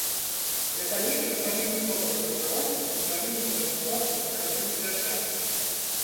Гэта месца павінна добра прагравацца і не павінна прадзьмувацца скразнымі вятрамі.